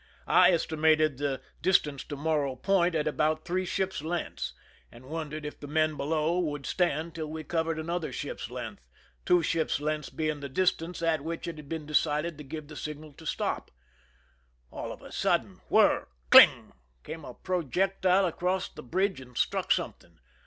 I estimated the distance to Morro Point at about three ships' lengths, and wondered if the men below would stand till we covered another ship's length, two ships' lengths being the distance at which it had been decided to give the signal to stop. All of a sudden, whir! cling! came a projectile across the bridge and struck something.